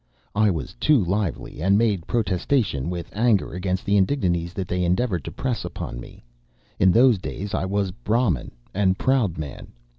I was too lively, and made protestation with anger against the indignities that they endeavored to press upon me. In those days I was Brahmin and proud man.